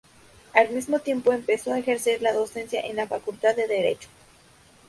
Al mismo tiempo empezó a ejercer la docencia en la facultad de Derecho.